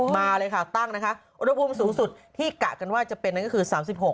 มาเลยค่ะตั้งนะคะอุณหภูมิสูงสุดที่กะกันว่าจะเป็นนั่นก็คือ๓๖